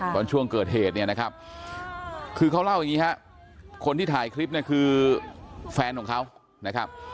ตอนช่วงเกิดเหตุเนี่ยนะครับคือเขาเล่าอย่างนี้ฮะคนที่ถ่ายคลิปเนี่ยคือแฟนของเขานะครับ